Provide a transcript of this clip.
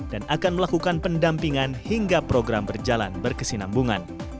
dan akan melakukan pendampingan hingga program berjalan berkesinambungan